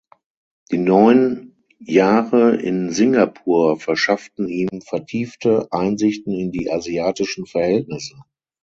Die neun Jahre in Singapur verschafften ihm vertiefte Einsichten in die asiatischen Verhältnisse.